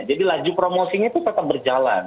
jadi laju promosinya itu tetap berjalan